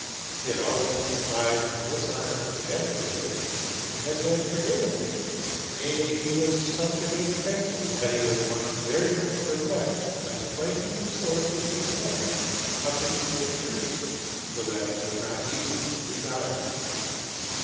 He had always con trived to disarm his adversary, and had then forgiven hin ; nay, he was such a good fencer, that he was once very much perplexed by striking the sword of his opponent up into a high tree, so that it was not easy to be got again.